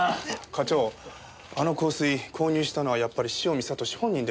課長あの香水購入したのはやっぱり汐見悟志本人でした。